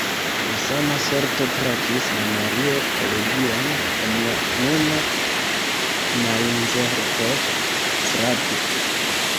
La sama sorto trafis la Mario-Kolegion en la nuna Mainzerhof-strato.